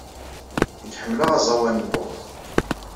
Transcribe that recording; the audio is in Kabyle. Nekk ḥemmleɣ aẓawan n pop.